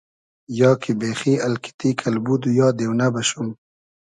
یا کی بېخی الکیتی , کئلبود و یا دېونۂ بئشوم